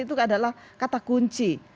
itu adalah kata kunci